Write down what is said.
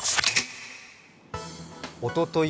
おととい